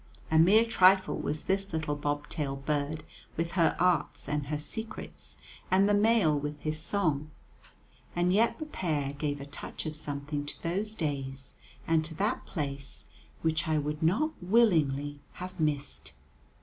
A mere trifle was this little bob tailed bird with her arts and her secrets, and the male with his song, and yet the pair gave a touch of something to those days and to that place which I would not willingly have missed.